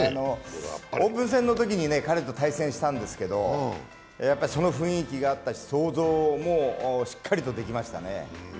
オープン戦で彼と対戦したんですけどその雰囲気があったし、想像もしっかりとできましたね。